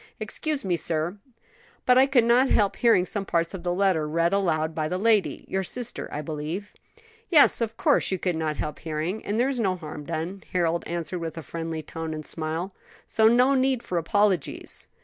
"Excuse me, sir, but I could not help hearing some parts of the letter read aloud by the lady your sister, I believe " "Yes. Of course you could not help hearing, and there is no harm done," Harold answered with a friendly tone and smile. "So no need for apologies."